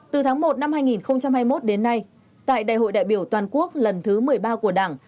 từ tháng một năm hai nghìn hai mươi một đến nay tại đại hội đại biểu toàn quốc lần thứ một mươi ba của đảng